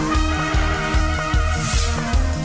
สุดท้ายของแม่บ้านประจันบาล